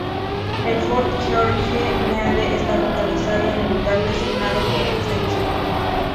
El Fort George G. Meade está localizado en el lugar designado por el censo.